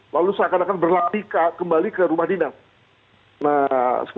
lalu seakan akan berlari kembali ke rumah dinas